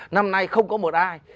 năm nay không có một ai